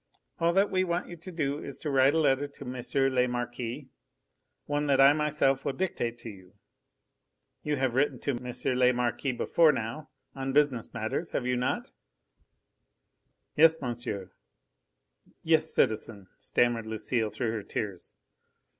"All that we want you to do is to write a letter to M. le Marquis one that I myself will dictate to you. You have written to M. le Marquis before now, on business matters, have you not?" "Yes, monsieur yes, citizen," stammered Lucile through her tears.